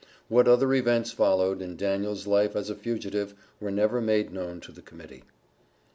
What other events followed, in Daniel's life as a fugitive, were never made known to the Committee.